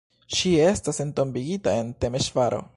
Ŝi estas entombigita en Temeŝvaro.